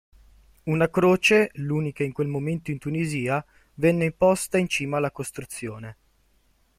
Una croce, l'unica in quel momento in Tunisia, venne posta in cima alla costruzione.